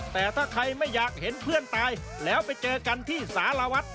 แต่ถ้าใครไม่อยากเห็นเพื่อนตายแล้วไปเจอกันที่สารวัฒน์